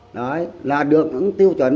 đó là được tiêu chuẩn